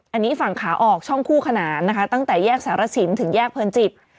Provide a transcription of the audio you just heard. อันนี้ฝั่งขาออกช่องคู่ขนานนะคะตั้งแต่แยกสารสินถึงแยกเพลินจิต